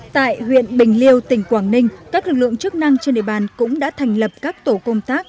tại huyện bình liêu tỉnh quảng ninh các lực lượng chức năng trên địa bàn cũng đã thành lập các tổ công tác